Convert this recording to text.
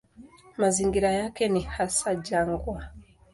Mazingira yake ni hasa jangwa.